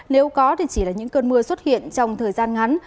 nếu có thì chỉ là những cơn mưa xuất hiện trong thời gian ngắn